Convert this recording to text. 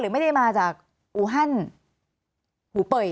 หรือไม่ได้มาจากอูฮั่นอูเปย